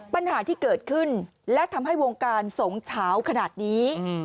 ปัญหาที่เกิดขึ้นและทำให้วงการสงเฉาขนาดนี้